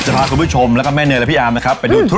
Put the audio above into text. จะพาคุณผู้ชมและแม่เนยและพี่อามนะครับ